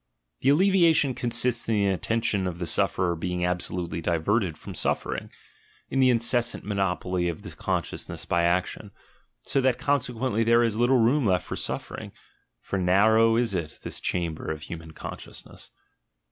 The alleviation consists in the attention of the sufferer being absolutely diverted from suffering, in the incessant monopoly of the consciousness by action, so that consequently there is little room left for suffering — for narrow is it, this chamber of human con sciousness!